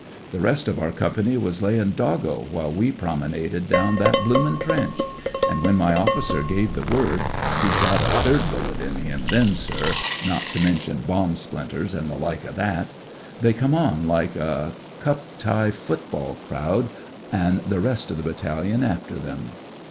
The rest of our Company was layin' doggo while we promenaded down that bloomin' trench; an' when my officer gave the word— he'd got a third bullet in him, then, sir, not to mention bomb spHnters an' the like o' that— they come on like 90 SPIRIT OF BRITISH SOLDIER V i:. a cup tie football crowd, an* the reit of the Battalion after them.